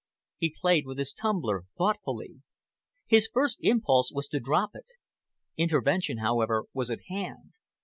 He played with his tumbler thoughtfully. His first impulse was to drop it. Intervention, however, was at hand.